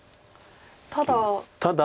ただ。